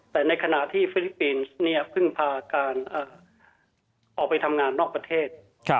แต่ในขณะที่ฟิลิปปินส์เพิ่งพาการออกไปทำงานนอกประเทศ